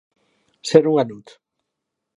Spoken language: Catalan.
Ser un ganut.